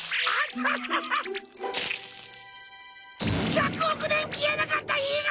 １００億年消えなかった火が！？